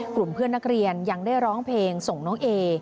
กลุ่มเพื่อนนักเรียนยังได้ร้องเพลงส่งน้องเอ